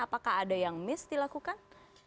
apakah ada yang miss dilakukan